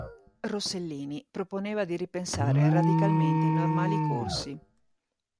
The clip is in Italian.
Rossellini proponeva di ripensare radicalmente i normali corsi.